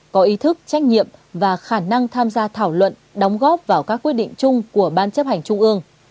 có ý thức trách nhiệm và khả năng tham gia thảo luận đóng góp vào các quyết định chung của ban chấp hành trung ương